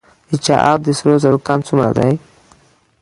د چاه اب د سرو زرو کان څومره دی؟